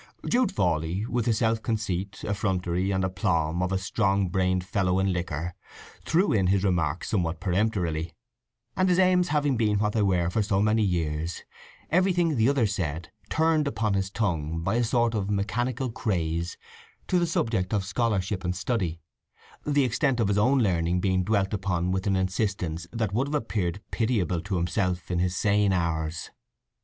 Jude Fawley, with the self conceit, effrontery, and aplomb of a strong brained fellow in liquor, threw in his remarks somewhat peremptorily; and his aims having been what they were for so many years, everything the others said turned upon his tongue, by a sort of mechanical craze, to the subject of scholarship and study, the extent of his own learning being dwelt upon with an insistence that would have appeared pitiable to himself in his sane hours.